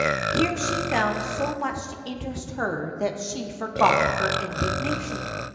Here she found so much to interest her that she forgot her indignation.